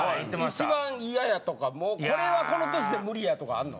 一番嫌やとかもうこれはこの年で無理やとかあんの？